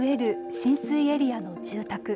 浸水エリアの住宅。